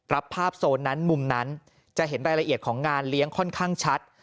รับภาพโซนนั้นมุมนั้นจะเห็นรายละเอียดของงานเลี้ยงค่อนข้างชัด